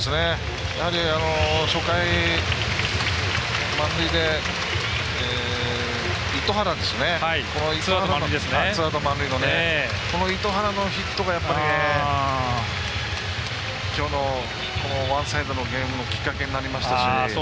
やはり、初回満塁でツーアウト満塁のときのこの糸原のヒットがきょうのワンサイドのゲームのきっかけになりましたし。